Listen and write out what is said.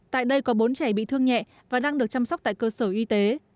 tại đây có bốn trẻ bị thương nhẹ và đang được chăm sóc tại cơ sở y tế